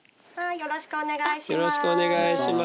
よろしくお願いします。